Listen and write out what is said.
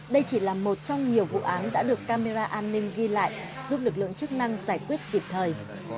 đây chỉ là một trong nhiều vụ án đã được camera an ninh ghi lại giúp lực lượng chức năng giải quyết kịp thời